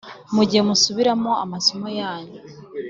mu gihe musubiramo amasomo yanyu.